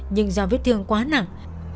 nhưng do vết thương quá nặng